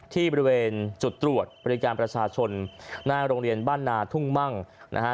ที่บริเวณจุดตรวจบริการประชาชนหน้าโรงเรียนบ้านนาทุ่งมั่งนะฮะ